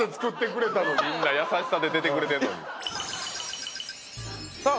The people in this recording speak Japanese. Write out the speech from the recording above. みんな優しさで出てくれてんのにさあ